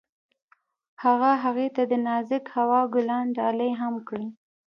هغه هغې ته د نازک هوا ګلان ډالۍ هم کړل.